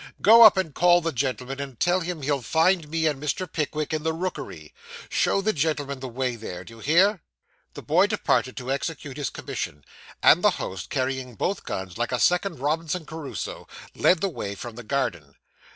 'Go up, and call the gentleman, and tell him he'll find me and Mr. Pickwick in the rookery. Show the gentleman the way there; d'ye hear?' The boy departed to execute his commission; and the host, carrying both guns like a second Robinson Crusoe, led the way from the garden.